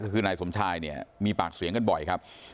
คือนายสมชายเนี่ยมีปากเสียงกันบ่อยครับ